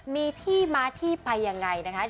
มีที่มาที่ไปยังไงนะคะ